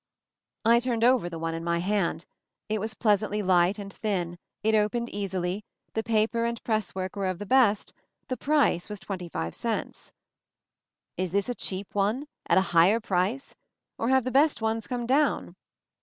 I turned over the one in my hand. It was pleasantly light and thin, it opened easily, the paper and presswork were of the best, the price was twenty five cents. "Is this a cheap one — at a higher price? or have the best ones come down?"